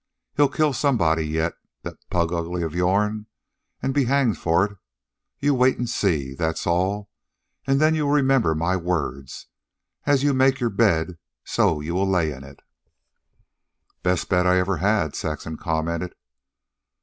He'll kill somebody yet, that plug ugly of yourn, an' be hanged for it. You wait an' see, that's all, an' then you'll remember my words. As you make your bed, so you will lay in it" "Best bed I ever had," Saxon commented.